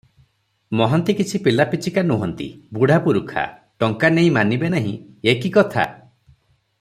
ମହାନ୍ତି କିଛି ପିଲାପିଚିକା ନୁହନ୍ତି, ବୁଢ଼ା ପୁରୁଖା, ଟଙ୍କା ନେଇ ମାନିବେ ନାହିଁ, ଏ କି କଥା?